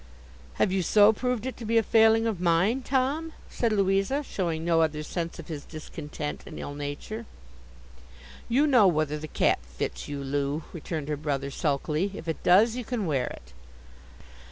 'Have you so proved it to be a failing of mine, Tom?' said Louisa, showing no other sense of his discontent and ill nature. 'You know whether the cap fits you, Loo,' returned her brother sulkily. 'If it does, you can wear it.